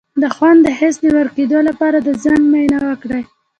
د خوند د حس د ورکیدو لپاره د زنک معاینه وکړئ